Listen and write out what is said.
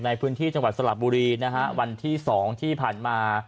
ในพื้นที่จังหวัดสลับบุรีนะฮะวันที่๒ที่ผ่านมา